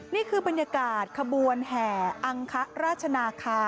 นี่คือบรรยากาศขบวนแห่อังคราชนาคา